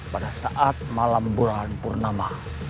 pada saat malam bulan purnama